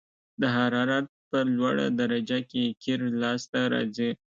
د حرارت په لوړه درجه کې قیر لاسته راځي